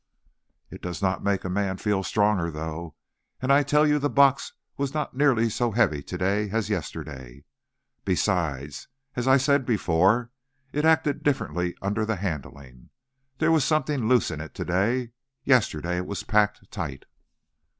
"It does not make a man feel stronger, though, and I tell you the box was not near so heavy to day as yesterday. Besides, as I said before, it acted differently under the handling. There was something loose in it to day. Yesterday it was packed tight."